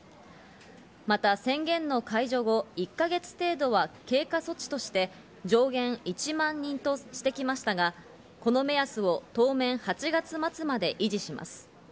また宣言が解除後１か月程度は経過措置として上限１万人としてきましたがこの目安を当面８月末まで維持します。